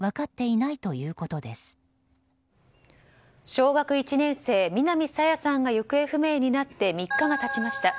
小学１年生、南朝芽さんが行方不明になって３日が経ちました。